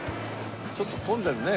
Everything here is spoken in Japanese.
ちょっと混んでるね。